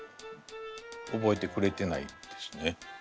覚えてくれてないですね。